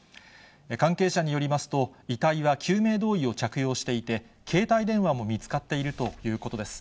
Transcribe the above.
関係者によりますと、遺体は救命胴衣を着用していて、携帯電話も見つかっているということです。